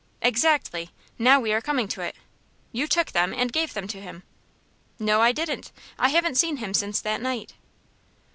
"Eactly. Now we are coming to it. You took them, and gave them to him?" "No, I didn't. I haven't seen him since that night."